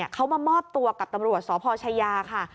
เขามามอบตัวกับตำรวจสพชายาค่ะ